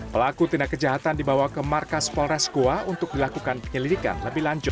pelaku tindak kejahatan dibawa ke markas polres goa untuk dilakukan penyelidikan lebih lanjut